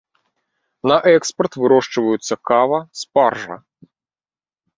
На экспарт вырошчваюцца кава, спаржа.